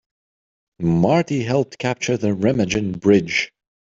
Marty helped capture the Remagen Bridge.